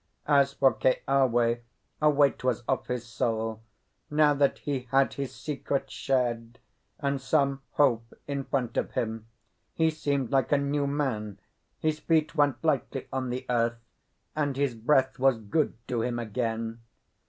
As for Keawe, a weight was off his soul; now that he had his secret shared, and some hope in front of him, he seemed like a new man, his feet went lightly on the earth, and his breath was good to him again.